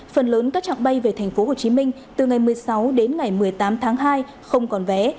phần lớn các trạng bay về tp hcm từ ngày một mươi sáu đến ngày một mươi tám tháng hai không còn vé